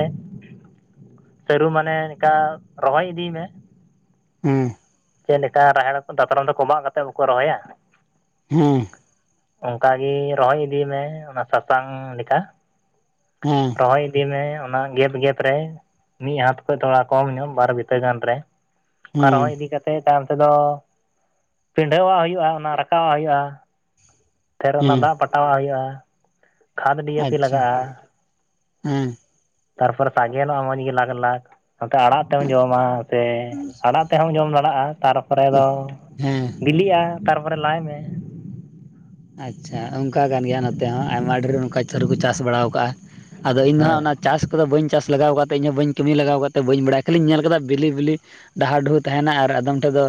ᱥᱟᱹᱨᱩ ᱢᱟᱱᱮ ᱱᱤᱠᱟ ᱨᱚᱦᱚᱭ ᱤᱫᱤᱭ ᱢᱮ᱾ ᱦᱩᱸ ᱪᱮᱜ ᱞᱮᱠᱟ ᱨᱟᱦᱮᱲ ᱠᱚ ᱫᱟᱛᱨᱚᱢ ᱛᱮ ᱠᱚᱵᱟᱜ ᱠᱟᱛᱮᱜ ᱵᱟᱠᱚ ᱨᱚᱦᱚᱭᱟ? ᱦᱩᱸ ᱚᱝᱠᱟᱜᱤ ᱨᱚᱦᱚᱭ ᱤᱫᱤᱭ ᱢᱮ ᱚᱱᱟ ᱥᱟᱥᱟᱝ ᱞᱮᱠᱟ᱾ ᱦᱮᱸ ᱨᱚᱦᱚᱭ ᱤᱫᱤᱭ ᱢᱮ ᱚᱱᱟ ᱜᱮᱯ ᱜᱮᱯ ᱨᱮ᱾ ᱢᱤᱜ ᱦᱟᱛ ᱠᱷᱚᱡ ᱛᱷᱚᱲᱟ ᱠᱚᱢ ᱧᱚᱜ ᱵᱟᱨ ᱵᱤᱛᱟᱹ ᱜᱟᱱ ᱨᱮ᱾ ᱠᱟ ᱦᱮᱸ ᱨᱚᱦᱚᱭ ᱤᱫᱤ ᱠᱟᱛᱮᱜ ᱛᱟᱭᱚᱢ ᱛᱮᱫᱚ ᱯᱤᱸᱰᱷᱟᱹᱣᱟᱜ ᱦᱩᱭᱩᱜᱼᱟ ᱚᱱᱟ ᱨᱟᱠᱟᱵᱟᱜ ᱦᱚᱭᱚᱜᱼᱟ᱾ ᱯᱷᱮᱨ ᱚᱱᱟ ᱦᱮᱸ ᱫᱟᱜ ᱯᱟᱴᱟᱣᱟᱜ ᱦᱚᱭᱚᱜᱼᱟ᱾ ᱟᱪᱪᱷᱟ ᱦᱩᱸ ᱛᱟᱨᱯᱚᱨ ᱥᱟᱜᱮᱱᱚᱜᱼᱟ ᱢᱟᱡ ᱜᱮ ᱞᱟᱠᱷ ᱞᱟᱠᱷ᱾ ᱱᱚᱛᱮ ᱟᱲᱟᱜ ᱛᱮᱢ ᱡᱚᱢᱟ ᱥᱮ ᱟᱲᱟᱜ ᱛᱮᱦᱚᱸᱢ ᱡᱚᱢ ᱫᱟᱲᱟᱜᱼᱟ ᱛᱟᱨᱯᱚᱨᱮ ᱫᱚ ᱦᱮᱸ ᱵᱤᱞᱤᱜᱼᱟ ᱛᱟᱨᱯᱚᱨᱮ ᱞᱟᱭ ᱢᱮ᱾ ᱟᱪᱪᱷᱟ ᱚᱝᱠᱟ ᱠᱟᱱ ᱜᱮᱭᱟ ᱱᱚᱛᱮ ᱦᱚᱸ ᱟᱭᱢᱟ ᱰᱷᱮᱨ ᱚᱝᱠᱟ ᱥᱟᱹᱨᱩ ᱠᱚ ᱪᱟᱥ ᱵᱟᱲᱟᱣ ᱠᱟᱜᱼᱟ᱾ ᱟᱫᱚ ᱤᱧᱫᱚ ᱦᱟᱸᱜ ᱚᱱᱟ ᱦᱮᱸ ᱪᱟᱥ ᱠᱚᱫᱚ ᱵᱟᱹᱧ ᱪᱟᱥ ᱞᱟᱜᱟᱣ ᱠᱟᱜ ᱛᱮ ᱤᱧ ᱦᱚᱸ ᱵᱟᱹᱧ ᱠᱟᱹᱢᱤ ᱞᱟᱜᱟᱣ ᱠᱟᱜ ᱛᱮ ᱵᱟᱹᱧ ᱵᱟᱲᱟᱭᱟ ᱠᱷᱟᱹᱞᱤᱧ ᱧᱮᱞ ᱠᱟᱫᱟ ᱵᱤᱞᱤ ᱵᱤᱞᱤ ᱰᱟᱦᱟ ᱰᱩᱦᱩ ᱛᱟᱦᱮᱱᱟ ᱟᱨ ᱟᱫᱚᱢ ᱴᱷᱮᱜ ᱫᱚ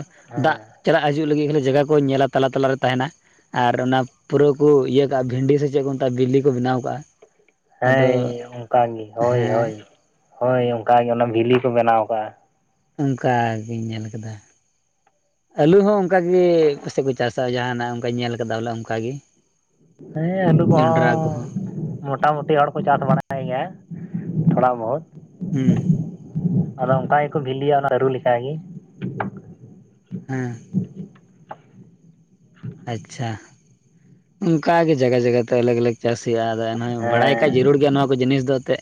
ᱫᱟᱜ ᱦᱮᱸ ᱪᱟᱞᱟᱜ ᱦᱤᱡᱩᱜ ᱞᱟᱹᱜᱤᱜ ᱠᱷᱟᱹᱞᱤ ᱡᱟᱜᱟ ᱠᱚᱧ ᱧᱮᱞᱟ ᱛᱟᱞᱟ ᱛᱟᱞᱟᱨᱮ ᱛᱟᱦᱮᱱᱟ᱾ ᱟᱨ ᱚᱱᱟ ᱯᱩᱨᱟᱹ ᱠᱩ ᱤᱭᱟᱹ ᱠᱟᱜᱼᱟ ᱵᱷᱤᱱᱰᱤ ᱥᱮ ᱪᱮᱜ ᱠᱚ ᱢᱮᱛᱟᱜᱼᱟ ᱵᱤᱞᱤ ᱠᱚ ᱵᱮᱱᱟᱣ ᱠᱟᱜᱼᱟ᱾ ᱟᱫᱚ ᱦᱮᱭ ᱚᱝᱠᱟᱜᱮ ᱦᱳᱭ ᱦᱮᱸ ᱦᱳᱭ ᱦᱳᱭ ᱚᱝᱠᱟᱜᱮ ᱚᱱᱟ ᱵᱷᱤᱞᱤ ᱠᱚ ᱵᱮᱱᱟᱣ ᱠᱟᱜᱼᱟ᱾ ᱚᱝᱠᱟᱜᱤᱧ ᱧᱮᱞ ᱠᱟᱫᱟ᱾ ᱟᱹᱞᱩ ᱦᱚᱸ ᱚᱝᱠᱟᱜᱮ ᱯᱟᱥᱮᱡ ᱠᱚ ᱪᱟᱥᱟ ᱡᱟᱦᱟᱱᱟᱜ ᱚᱝᱠᱟᱧ ᱧᱮᱞ ᱠᱟᱫᱟ ᱵᱚᱞᱮ ᱚᱝᱠᱟᱜᱮ᱾ ᱦᱮᱸ ᱟᱹᱞᱩ ᱠᱚᱦᱚᱸ ᱢᱚᱴ ᱢᱚᱴᱟᱢᱩᱴᱤ ᱦᱚᱲ ᱠᱚ ᱪᱟᱥ ᱵᱟᱲᱟᱭ ᱜᱮᱭᱟ ᱛᱷᱚᱲᱟ ᱵᱚᱦᱩᱛ ᱦᱩᱸ ᱟᱫᱚ ᱚᱝᱠᱟ ᱜᱮᱠᱚ ᱵᱷᱤᱞᱤᱭᱟ ᱚᱱᱟ ᱥᱟᱹᱨᱩ ᱞᱮᱠᱟᱜᱮ᱾ ᱦᱮᱸ ᱟᱪᱪᱷᱟ ᱚᱝᱠᱟᱜᱮ ᱡᱟᱜᱟ ᱡᱟᱜᱟᱛᱮ ᱟᱞᱟᱜ ᱟᱞᱟᱜ ᱪᱟᱥ ᱦᱩᱭᱩᱜᱼᱟ᱾ ᱟᱫᱚ ᱮᱱᱦᱚᱸ ᱵᱟᱲᱟᱭ ᱦᱮᱸ ᱠᱷᱟᱡ ᱡᱟᱹᱨᱩᱲ ᱜᱮᱭᱟ ᱱᱚᱣᱟ ᱠᱚ ᱡᱤᱱᱤᱥ ᱫᱚ ᱚᱛᱮ,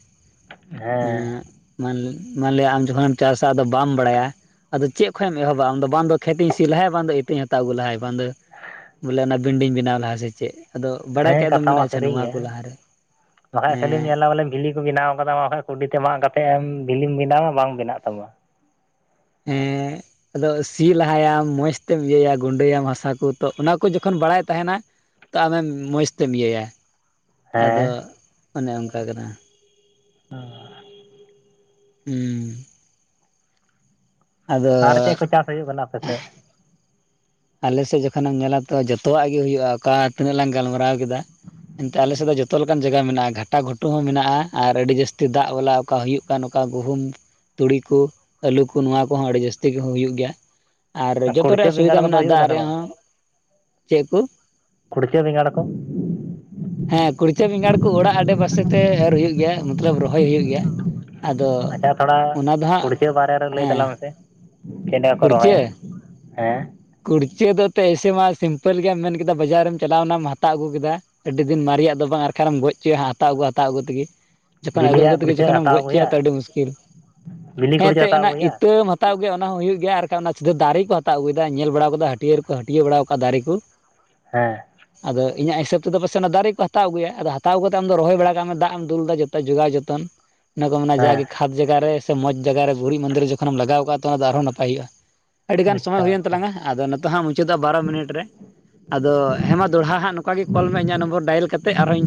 ᱦᱮᱸ ᱮᱸᱜ ᱢᱟᱱ ᱢᱟᱱᱞᱮ ᱟᱢ ᱡᱚᱠᱷᱚᱱᱮᱢ ᱪᱟᱥᱟ ᱟᱫᱚ ᱵᱟᱢ ᱵᱟᱲᱟᱭᱟ, ᱟᱫᱚ ᱪᱮᱜ ᱠᱷᱚᱡ ᱮᱢ ᱮᱦᱚᱵᱟ ᱟᱢ ᱫᱚ ᱵᱟᱝ ᱫᱚ ᱠᱷᱮᱛᱤᱧ ᱥᱤ ᱞᱟᱦᱟᱭ ᱵᱟᱝ ᱫᱚ ᱤᱛᱟᱹᱧ ᱦᱟᱛᱟᱣ ᱟᱜᱩ ᱞᱟᱦᱟᱭ ᱵᱟᱝ ᱫᱚ, ᱵᱚᱞᱮ ᱚᱱᱟ ᱵᱤᱱᱰᱤᱝ ᱵᱮᱱᱟᱣ ᱞᱟᱦᱟᱭ ᱥᱮ ᱪᱮᱫ? ᱟᱫᱚ ᱵᱟᱲᱟᱭ ᱦᱮᱸ ᱠᱷᱟᱡ ᱫᱚᱢ ᱠᱟᱛᱷᱟ ᱢᱮᱱᱟ ᱢᱟ ᱟᱪᱪᱷᱟ ᱥᱟᱹᱨᱤ ᱱᱚᱣᱟ ᱜᱮᱭᱟ᱾ ᱠᱚ ᱞᱟᱦᱟᱨᱮ ᱵᱟᱠᱷᱟᱡ ᱠᱷᱟᱹᱞᱤᱢ ᱮᱸ ᱧᱮᱞᱟ ᱵᱚᱞᱮ ᱵᱷᱤᱞᱤ ᱠᱚ ᱵᱮᱱᱟᱣ ᱠᱟᱫᱟ ᱵᱟᱠᱷᱟᱡ ᱠᱩᱰᱤ ᱛᱮ ᱢᱟᱜ ᱠᱟᱛᱮᱜ ᱮᱢ ᱵᱷᱤᱞᱤᱢ ᱵᱮᱱᱟᱣ ᱵᱟᱝ ᱵᱮᱱᱟᱜ ᱛᱟᱢᱟ᱾ ᱮᱸᱜ ᱟᱫᱚ ᱥᱤ ᱞᱟᱦᱟᱭᱟᱢ ᱢᱚᱸᱡᱽ ᱛᱮᱢ ᱤᱭᱟᱹᱭᱟ ᱜᱩᱸᱰᱟᱹᱭᱟᱢ ᱦᱟᱥᱟ ᱠᱚ ᱛᱚ ᱚᱱᱟ ᱠᱚ ᱡᱚᱠᱷᱚᱱ ᱵᱟᱲᱟᱭ ᱛᱟᱦᱮᱱᱟ᱾ ᱛᱚ ᱟᱢᱮᱢ ᱢᱚᱡᱽ ᱛᱮᱢ ᱤᱭᱟᱹᱭᱟ ᱟᱫᱚ ᱦᱮᱸ ᱚᱱᱮ ᱚᱝᱠᱟ ᱠᱟᱱᱟ᱾ ᱚ ᱦᱩᱸ, ᱟᱫᱚ ᱟᱨ ᱪᱮᱜ ᱠᱚ ᱪᱟᱥ ᱦᱳᱭᱳᱜ ᱠᱟᱱᱟ ᱟᱯᱮᱥᱮᱜ? ᱟᱞᱮᱥᱮᱜ ᱡᱚᱠᱷᱚᱱᱮᱢ ᱧᱮᱞᱟ ᱛᱚ ᱡᱷᱚᱛᱚᱣᱟᱜ ᱜᱮ ᱦᱩᱭᱩᱜᱼᱟ᱾ ᱚᱠᱟ ᱛᱤᱱᱟᱹᱜ ᱞᱟᱝ ᱜᱟᱞᱢᱟᱨᱟᱣ ᱠᱮᱫᱟ, ᱮᱱᱛᱮ ᱟᱞᱮᱥᱮᱜ ᱫᱚ ᱡᱚᱛᱚ ᱞᱮᱠᱟᱱ ᱡᱟᱜᱟ ᱢᱮᱱᱟᱜᱼᱟ ᱜᱷᱟᱴᱟ ᱜᱷᱩᱴᱩ ᱦᱚᱸ ᱢᱮᱱᱟᱜᱼᱟ᱾ ᱟᱨ ᱟᱹᱰᱤ ᱡᱟᱹᱥᱛᱤ ᱫᱟᱜ ᱵᱟᱞᱟ ᱚᱠᱟ ᱦᱩᱭᱩᱜ, ᱠᱟ ᱱᱚᱜᱠᱟ ᱜᱩᱦᱩᱢ ᱛᱩᱲᱤ ᱠᱩ ᱟᱹᱞᱩ ᱠᱩ ᱱᱚᱣᱟ ᱠᱚᱦᱚᱸ ᱟᱹᱲᱤ ᱡᱟᱹᱥᱛᱤ ᱜᱮ ᱦᱚᱸ ᱦᱩᱭᱩᱜ ᱜᱮᱭᱟ᱾ ᱟᱨ ᱡᱚᱛᱚ ᱠᱩᱲᱪᱟᱹ ᱨᱮᱭᱟᱜ ᱵᱮᱸᱜᱟᱲ ᱥᱩᱵᱤᱫᱷᱟ ᱠᱚᱫᱚ ᱢᱮᱱᱟᱜ, ᱦᱩᱭᱩᱜ ᱠᱟᱱᱟ ᱫᱟᱜ ᱥᱮ ᱨᱮᱭᱟᱜ ᱵᱟᱝ ᱦᱚᱸ ᱪᱮᱜ ᱠᱚ, ᱠᱩᱲᱪᱟᱹ ᱵᱮᱸᱜᱟᱲ ᱠᱚ ᱦᱮᱸ ᱠᱩᱲᱪᱟᱹ ᱵᱮᱸᱜᱟᱲ ᱠᱚ ᱚᱲᱟᱜ ᱟᱰᱮᱯᱟᱥᱮ ᱛᱮ ᱮᱨ ᱦᱩᱭᱩᱜ ᱜᱮᱭᱟ᱾ ᱢᱚᱛᱞᱚᱵ ᱨᱚᱦᱚᱭ ᱦᱩᱭᱩᱜ ᱜᱮᱭᱟ ᱟᱫᱚ ᱟᱪᱪᱷᱟ ᱛᱷᱚᱲᱟ ᱚᱱᱟ ᱫᱚ ᱦᱟᱸ ᱟᱜ ᱦᱮᱸ, ᱪᱮᱫᱟᱜ ᱠᱚ ᱨᱚᱦᱚᱭ ᱠᱩᱲᱪᱟᱹ ᱦᱮᱸ, ᱠᱩᱲᱪᱟᱹ ᱫᱚ ᱮᱱᱛᱮᱫ ᱮᱭᱥᱮ ᱢᱟ ᱥᱤᱢᱯᱮᱞ ᱜᱮᱭᱟᱢ ᱢᱮᱱ ᱠᱮᱫᱟ ᱵᱟᱡᱟᱨᱮᱢ ᱪᱟᱞᱟᱣᱱᱟᱢ ᱦᱟᱛᱟᱣ ᱟᱹᱜᱩ ᱠᱮᱫᱟ᱾ ᱟᱹᱰᱤ ᱫᱤᱱ ᱢᱟᱨᱤᱭᱟᱜ ᱫᱚ ᱵᱟᱝ ᱟᱨ ᱠᱷᱟᱱᱢ ᱜᱚᱡ ᱦᱚᱪᱚᱭᱟ ᱦᱟᱛᱟᱣ ᱟᱹᱜᱩ ᱦᱟᱛᱟᱣ ᱟᱹᱜᱩ ᱛᱮᱜᱮ᱾ ᱡᱚᱠᱷᱚᱱ ᱟᱹᱜᱩ ᱟᱹᱜᱩ ᱵᱤᱞᱤᱭᱟᱜ ᱛᱮᱜᱮ ᱠᱩᱲᱪᱟᱹ ᱡᱚᱠᱷᱚᱱᱮᱢ ᱦᱟᱛᱟᱣ ᱜᱚᱡ ᱦᱚᱪᱚᱭᱟ ᱟᱹᱜᱩᱭᱟ ᱛᱚ ᱟᱹᱰᱤ ᱢᱩᱥᱠᱤᱞ ᱵᱤᱞᱤ ᱦᱮ ᱠᱩᱲᱪᱟᱹ ᱮᱱᱛᱮ ᱦᱟᱛᱟᱣ ᱚᱱᱟ ᱟᱹᱜᱩᱭᱟ ᱤᱛᱟᱹᱢ ᱦᱟᱛᱟᱣ ᱟᱹᱜᱩᱭᱟ ᱚᱱᱟ ᱦᱚᱸ ᱦᱩᱭᱩᱜ ᱜᱮᱭᱟ ᱟᱨ ᱠᱷᱟᱱ ᱚᱱᱟ ᱥᱤᱫᱷᱟᱹ ᱫᱟᱨᱮ ᱠᱚ ᱦᱟᱛᱟᱣ ᱟᱹᱜᱩᱭ ᱫᱟ ᱧᱮᱞ ᱵᱟᱲᱟ ᱟᱠᱟᱫᱟ ᱦᱟᱹᱴᱭᱟᱹᱨ ᱠᱚ ᱦᱟᱹᱴᱭᱟᱹ ᱵᱟᱲᱟᱣᱟ ᱟᱠᱟᱫᱟ ᱫᱟᱨᱮ ᱠᱚ, ᱦᱮᱸ ᱟᱫᱚ ᱤᱧᱟᱹᱜ ᱦᱤᱥᱟᱹᱵ ᱛᱮᱫᱚ ᱯᱟᱥᱮ ᱚᱱᱟ ᱫᱟᱨᱮ ᱠᱚ ᱦᱟᱛᱟᱣ ᱟᱜᱩᱭᱟ ᱟᱫᱚ ᱦᱟᱛᱟᱣ ᱠᱟᱛᱮ ᱟᱢ ᱫᱚ ᱨᱚᱦᱚᱭ ᱵᱟᱲᱟ ᱠᱟᱜ ᱢᱮ ᱫᱟᱜ ᱮᱢ ᱫᱩᱞ ᱫᱟ ᱡᱮᱦ ᱛᱚ ᱡᱚᱜᱟᱣ ᱡᱚᱛᱚᱱ, ᱤᱱᱟᱹ ᱠᱚ ᱢᱮᱱᱟ ᱦᱮᱸ ᱡᱟᱜᱮ ᱠᱷᱟᱛᱽ ᱡᱟᱜᱟ ᱨᱮ ᱥᱮ ᱢᱚᱡ ᱡᱟᱜᱟᱨᱮ ᱜᱩᱨᱤᱡ ᱢᱚᱫᱮ ᱨᱮ ᱡᱚᱠᱷᱚᱱᱮᱢ ᱞᱟᱜᱟᱣ ᱠᱟᱜᱼᱟ ᱛᱚ ᱚᱱᱟ ᱫᱚ ᱟᱨᱦᱚᱸ ᱱᱟᱯᱟᱭ ᱦᱩᱭᱩᱜᱼᱟ᱾ ᱟᱹᱰᱤᱜᱟᱱ ᱥᱚᱢᱚᱭ ᱟᱪᱪᱷᱟ ᱦᱩᱭᱮᱱ ᱟᱪᱪᱷᱟ ᱛᱟᱞᱟᱝᱼᱟ ᱟᱫᱚ ᱱᱤᱛᱚᱜ ᱦᱟᱸᱜ ᱢᱩᱪᱟᱹᱫ ᱵᱟᱨᱚ ᱢᱤᱱᱤᱴ ᱨᱮ, ᱟᱫᱚ ᱦᱮᱸ ᱢᱟ ᱫᱚᱲᱦᱟ ᱦᱟᱸᱜ ᱱᱚᱝᱠᱟ ᱜᱮ ᱠᱚᱞ ᱢᱮ ᱤᱧᱟᱹᱜ ᱱᱚᱢᱵᱚᱨ ᱰᱟᱭᱮᱞ ᱠᱟᱛᱮ ᱟᱨᱦᱚᱸ ᱤᱧ ᱴᱷᱮᱡ